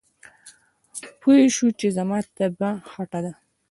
پوی شو چې زما طبعه خټه ده.